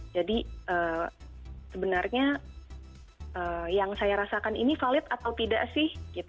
jadi sebenarnya yang saya rasakan ini valid atau tidak sih